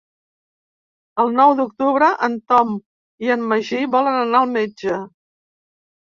El nou d'octubre en Tom i en Magí volen anar al metge.